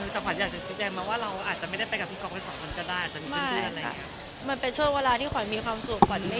แต่ขวัญอยากจะแสดงมาว่าเราอาจจะไม่ได้ไปกับพี่กรกกับสองคนก็ได้